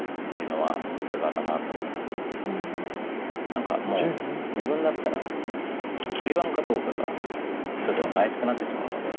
何かもう自分だったら取り番かどうかがちょっと怪しくなってしまうので。